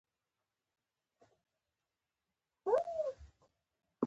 د لوړ کیفیت تولیدات د سوداګرۍ زیاتوالی سبب ګرځي.